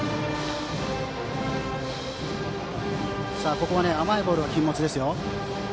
ここは甘いボールは禁物ですよ。